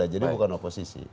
jadi bukan oposisi